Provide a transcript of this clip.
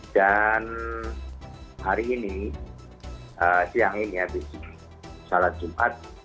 dan hari ini siang ini habis salat jumat